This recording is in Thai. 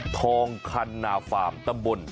ทองทัณฑาหมณ์ตำบล